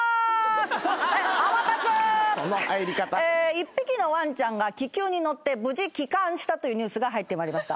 一匹のワンちゃんが気球に乗って無事帰還したというニュースが入ってまいりました。